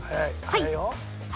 はい！